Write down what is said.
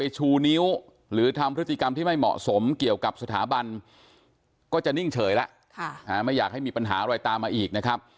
ชมก่อจะนิ่งเฉยละไม่อยากให้มีปัญหารอยตามมาอีกนะครับ